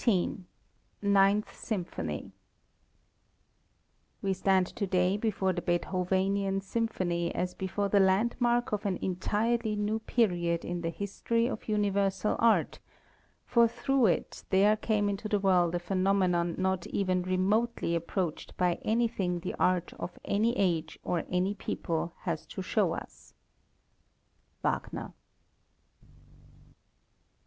CHAPTER XIV NINTH SYMPHONY We stand to day before the Beethovenian Symphony as before the landmark of an entirely new period in the history of universal art, for through it there came into the world a phenomenon not even remotely approached by anything the art of any age or any people has to show us. WAGNER.